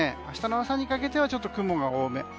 明日の朝にかけてはちょっと雲が多め。